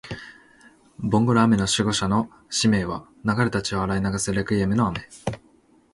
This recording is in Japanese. ボンゴレ雨の守護者の使命は、流れた血を洗い流す鎮魂歌の雨